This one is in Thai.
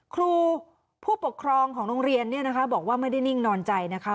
ครูผู้ปกครองของโรงเรียนเนี่ยนะคะบอกว่าไม่ได้นิ่งนอนใจนะคะ